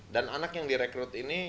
dan anak yang direkrut ini